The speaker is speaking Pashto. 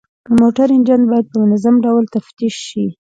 د موټرو انجن باید په منظم ډول تفتیش شي.